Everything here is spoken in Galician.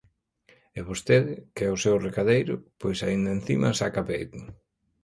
E vostede, que é o seu recadeiro, pois aínda encima saca peito.